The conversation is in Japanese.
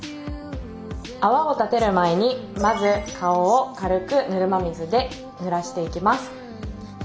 泡を立てる前にまず顔を軽くぬるま水でぬらしていきます。